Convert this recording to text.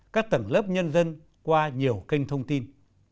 các tầng lớp nhân dân qua nhiều kênh thông tin